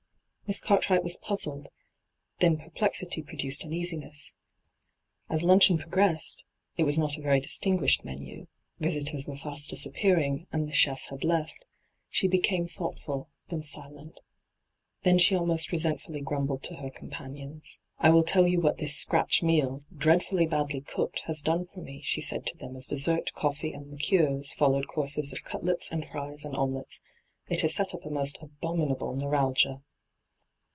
Miss Cartwright was puzzled ; then per plexity produced uneasiness. As luncheon hyGoogIc ENTRAPPED 231 prt^essed — it was not a very distinguished menu : visitors were fast disappearing, and the chef had left — she became thoughtful, then silent. Then she almost resentfully grumbled to her companions. ' I will tell you what this " scratch " meal, dreadfully badly cooked, has done for me,' she said to them as dessert, coffee, and liqueurs followed courses of cutlets and fries and omelettes :' it has set up a most abominable neuralgia.'